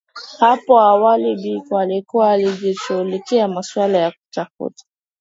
Hapo awali Biko alikuwa akijishughulisha na masuala ya kutafuta